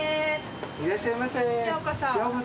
いらっしゃいませ。